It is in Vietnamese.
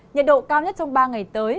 nhiệt độ cao nhất trong ba ngày tới